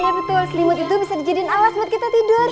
iya betul selimut itu bisa dijadikan alat buat kita tidur